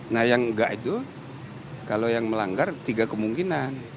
nah yang enggak itu kalau yang melanggar tiga kemungkinan